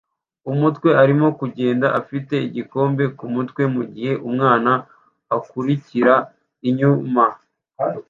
umutwe arimo kugenda afite igikombe kumutwe mugihe umwana akurikira inyuma